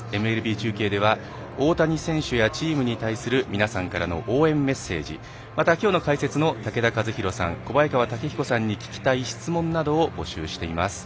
ＭＬＢ中継では大谷選手やチームに対する皆さんからの応援メッセージまたきょうの解説の武田一浩さん、小早川毅彦さんに聞きたい質問などを募集しています。